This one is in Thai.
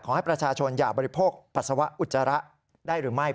ขอให้ประชาชนอย่าบริโภคปัสสาวะอุจจาระได้หรือไม่